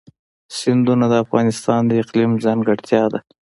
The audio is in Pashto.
سیندونه د افغانستان د اقلیم ځانګړتیا ده.